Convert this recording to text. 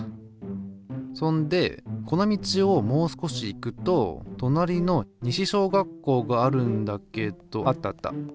そんでこの道をもう少し行くととなりの西小学校があるんだけどあったあった。